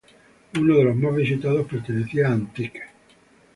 Uno de los más visitados pertenecía a Antic.